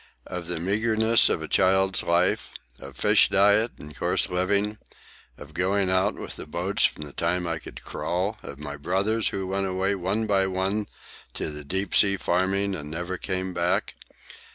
"Of the meagreness of a child's life? of fish diet and coarse living? of going out with the boats from the time I could crawl? of my brothers, who went away one by one to the deep sea farming and never came back?